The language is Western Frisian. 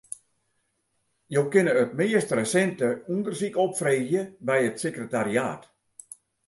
Jo kinne it meast resinte ûndersyk opfreegje by it sekretariaat.